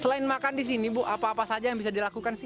selain makan disini apa apa saja yang bisa dilakukan sih